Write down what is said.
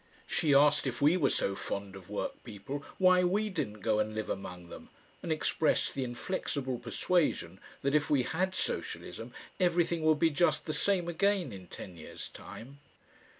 She asked if we were so fond of work people, why we didn't go and live among them, and expressed the inflexible persuasion that if we HAD socialism, everything would be just the same again in ten years' time.